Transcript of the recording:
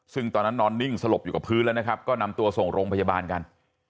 ซึ่งตอนนั้นนอนนิ่งสลบอยู่กับพื้นแล้วนะครับก็นำตัวส่งโรงพยาบาลกัน